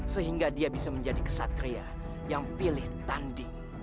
sehingga dia bisa menjadi kesatria yang pilih tanding